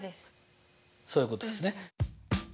そういうことですね。